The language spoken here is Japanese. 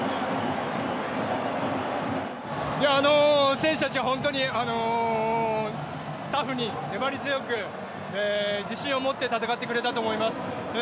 選手たちが本当にタフに粘り強く自信を持って戦ってくれたと思います。